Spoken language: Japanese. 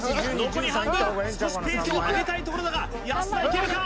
残り半分少しペースを上げたいところだが安田いけるか？